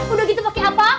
udah gitu pake apa